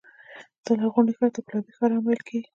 دا لرغونی ښار ته ګلابي ښار هم ویل کېږي.